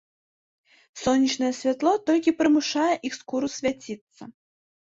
Сонечнае святло толькі прымушае іх скуру свяціцца.